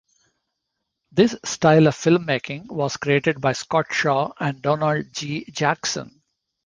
This style of filmmaking was created by Scott Shaw and Donald G. Jackson.